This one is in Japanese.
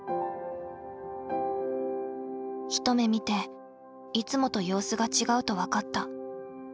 一目見ていつもと様子が違うと分かった。